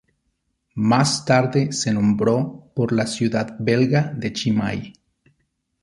Más tarde se nombró por la ciudad belga de Chimay.